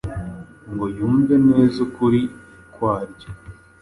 ngo yumve neza ukuri kwaryo,